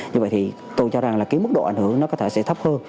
như vậy thì tôi cho rằng là cái mức độ ảnh hưởng nó có thể sẽ thấp hơn